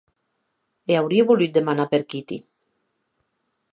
E aurie volut demanar per Kitty.